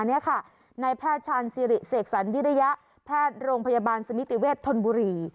นี่ค่ะในแพทย์ชาญสิริเสกสรรวิริยะแพทย์โรงพยาบาลสมิติเวทธนบุรี